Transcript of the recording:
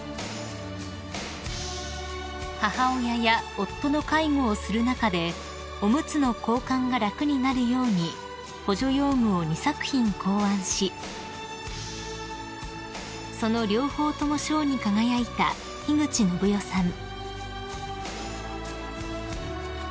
［母親や夫の介護をする中でおむつの交換が楽になるように補助用具を２作品考案しその両方とも賞に輝いた樋口信代さん］